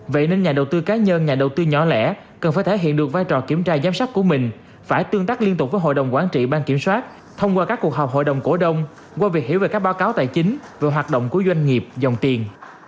vậy nên nhà đầu tư cá nhân nhà đầu tư nhỏ lẻ cần phải thể hiện được vai trò kiểm tra giám sát của mình phải tương tác liên tục với hội đồng quản trị ban kiểm soát thông qua các cuộc họp hội đồng cổ đông qua việc hiểu về các báo cáo tài chính và hoạt động của doanh nghiệp dòng tiền